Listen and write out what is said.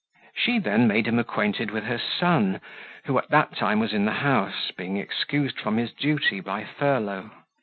She then made him acquainted with her son, who at that time was in the house, being excused from his duty by furlough.